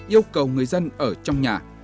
yêu cầu người dân ở trong nhà